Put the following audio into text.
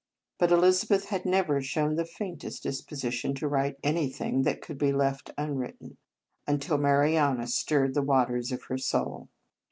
But Elizabeth had never shown the faintest disposition to write anything that could be left unwritten, until Marianus stirred the waters of her soul.